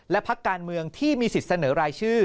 และพักการเมืองที่มีสิทธิ์เสนอรายชื่อ